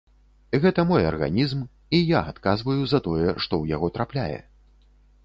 Гэта мой арганізм, і я адказваю за тое, што ў яго трапляе.